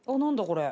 これ。